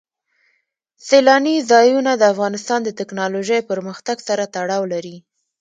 سیلانی ځایونه د افغانستان د تکنالوژۍ پرمختګ سره تړاو لري.